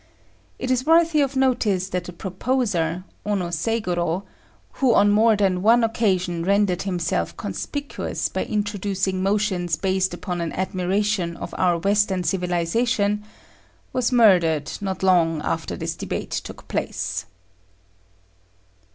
It is worthy of notice that the proposer, Ono Seigorô, who on more than one occasion rendered himself conspicuous by introducing motions based upon an admiration of our Western civilization, was murdered not long after this debate took place.